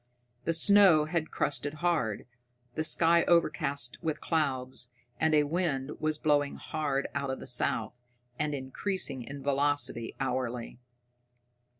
The snow was crusted hard, the sky overcast with clouds, and a wind was blowing hard out of the south, and increasing in velocity hourly.